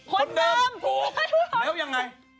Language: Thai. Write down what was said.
คนเดิมถูกแล้วยังไง